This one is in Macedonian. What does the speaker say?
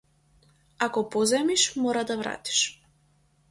Ако позајмиш мораш да вратиш.